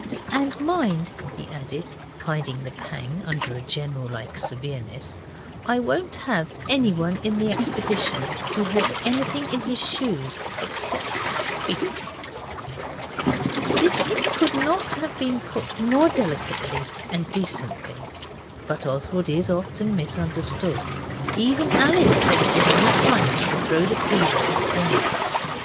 'And mind,' he added, hiding the pang under a general like severeness, 'I won't have anyone in the expedition who has anything in his shoes except his feet.' This could not have been put more delicately and decently. But Oswald is often misunderstood. Even Alice said it was unkind to throw the peas up at Denny.